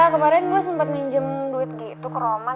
ya kemarin gue sempet minjem duit gitu ke roman